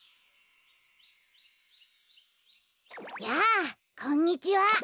やあこんにちは。